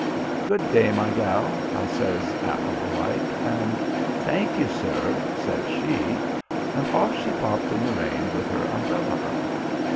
'Good day, my gal' I says, affable like, and 'Thank you sir,' says she, and off she popped in the rain with her umbrella up.